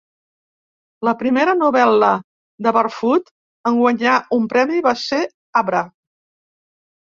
La primera novel·la de Barfoot en guanyar un premi va ser "Abra".